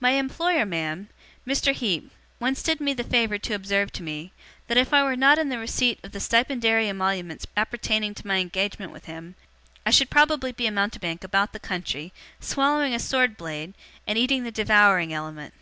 'My employer, ma'am Mr. Heep once did me the favour to observe to me, that if I were not in the receipt of the stipendiary emoluments appertaining to my engagement with him, I should probably be a mountebank about the country, swallowing a sword blade, and eating the devouring element.